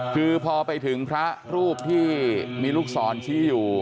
คือพอไปถึงพระรูปที่มีลูกศรชี้อยู่